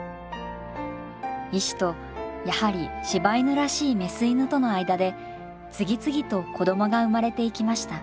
石とやはり柴犬らしいメス犬との間で次々と子供が生まれていきました。